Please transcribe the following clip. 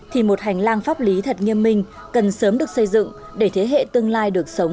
thì một hành lang pháp lý thật nghiêm minh cần sớm được xây dựng để thế hệ tương lai được sống